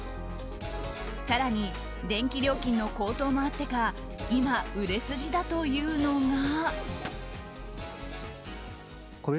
更に、電気料金の高騰もあってか今、売れ筋だというのが。